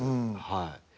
はい。